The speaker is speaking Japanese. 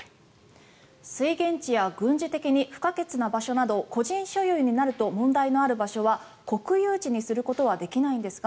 水源地や軍事的に不可欠な場所など個人所有になると問題のある場所は国有地にすることはできないんですか？